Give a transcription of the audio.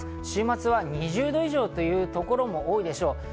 週末は２０度以上というところも多いでしょう。